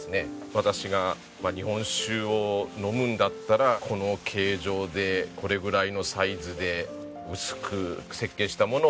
私が日本酒を飲むんだったらこの形状でこれぐらいのサイズで。